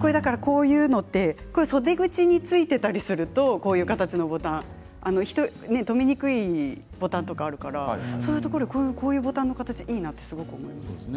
こういうのって袖口についていたりするとこういう形のボタン留めにくいボタンとかあるからそういうところこういう形のボタンいいなと思います。